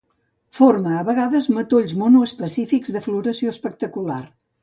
Forma a vegades matolls monoespecífics de floració espectacular.